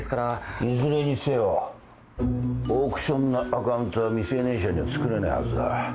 いずれにせよオークションのアカウントは未成年者には作れないはずだ。